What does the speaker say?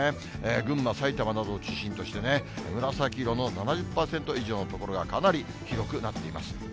群馬、埼玉などを中心としてね、紫色の７０％以上の所が、かなり広くなっています。